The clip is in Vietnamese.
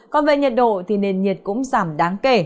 còn về nhiệt độ thì nền nhiệt cũng giảm đáng kể